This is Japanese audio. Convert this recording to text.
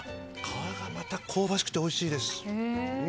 皮がまた香ばしくておいしいです。